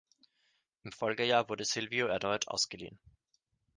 Im Folgejahr wurde Silvio erneut ausgeliehen.